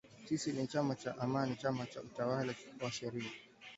“Sisi ni chama cha Amani, chama cha utawala wa sheria."